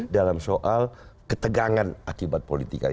dalam soal ketegangan akibat politika